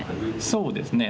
そうですね。